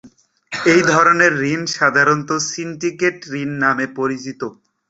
এ ধরনের ঋণ সাধারণত সিন্ডিকেট ঋণ নামে পরিচিত।